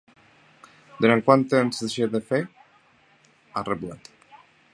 Durant quant temps deixem de fer?, ha reblat.